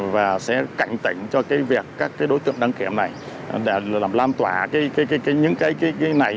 và sẽ cảnh tỉnh cho việc các đối tượng đăng kiểm này để làm lan tỏa những cái này